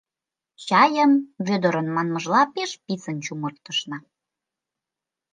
Чайым, Вӧдырын манмыжла, пеш писын «чумыртышна».